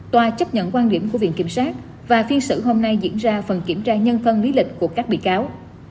tòa chấp nhận quan điểm của viện kiểm sát và phiên xử hôm nay diễn ra phần kiểm tra nhân phân lý lịch của các bị cáo